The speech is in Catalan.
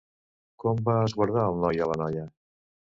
Com va esguardar el noi a la noia?